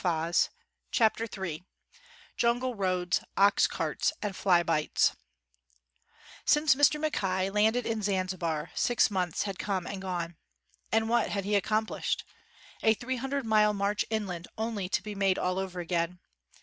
48 CHAPTER III JUNGLE ROADS, OX CARTS, AND FLY BITES SINCE Mr. Mackay landed in Zanzibar six months had come and gone. And what had he accomplished? A three hun dred mile march inland only to be made all over again